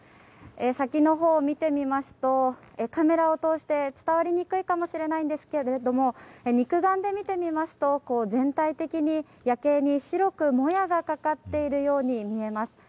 先のほうを見てみますとカメラを通して伝わりにくいかもしれないんですけれども肉眼で見てみますと全体的に夜景にもやがかかって見えます。